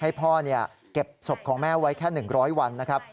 ให้พ่อเก็บศพของแม่ไว้แค่๑๐๐วันนะครับ